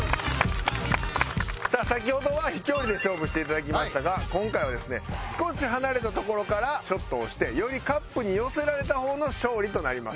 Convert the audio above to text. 先ほどは飛距離で勝負して頂きましたが今回はですね少し離れた所からショットをしてよりカップに寄せられた方の勝利となります。